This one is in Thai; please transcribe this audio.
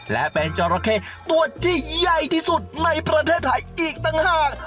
และเป็นจราเข้ตัวที่ใหญ่ที่สุดในประเทศไทยอีกต่างหาก